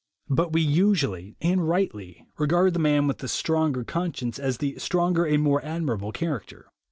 But we usually, and rightly, regard the man with the stronger conscience as the stronger and more admirable character.